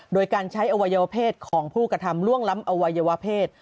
โดยการใช้อวัยวเพศของผู้กระทำล่วงล้ำอวัยวเพศ